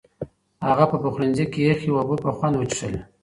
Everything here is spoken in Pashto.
هغه په پخلنځي کې یخې اوبه په خوند وڅښلې.